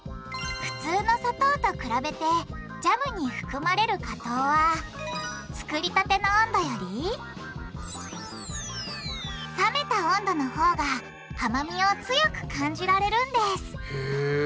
普通の砂糖と比べてジャムに含まれる果糖は作りたての温度より冷めた温度のほうが甘みを強く感じられるんですへぇ。